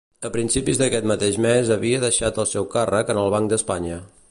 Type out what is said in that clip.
A principis d'aquest mateix mes havia deixat el seu càrrec en el Banc d'Espanya.